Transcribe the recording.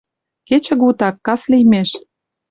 Кечыгутак, кас лиймеш